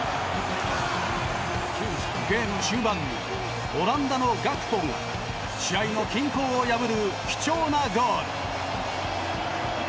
ゲーム終盤にオランダのガクポが試合の均衡を破る貴重なゴール。